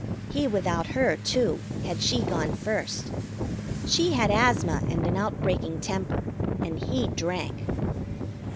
He without her, too, had she gone first. She had asthma and an outbreaking temper, and he drank.